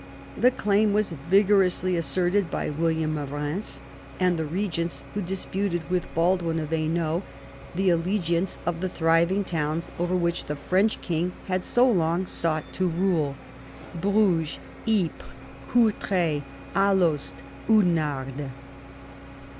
The claim was vigorously asserted by William of Eheims and the regents, who disputed with Baldwin of Hain iv BOUVINES 93 ault the allegiance of the thriving towns over which the French king had so long sought to rule — Bruges, Ypres, Courtrai, Alost, Oudenarde.